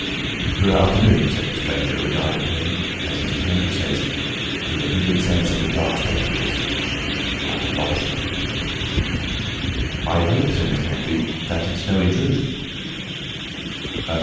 "Good afternoon," said the stranger, regarding him—as Mr. Henfrey says, with a vivid sense of the dark spectacles—"like a lobster." "I hope," said Mr. Henfrey, "that it's no intrusion."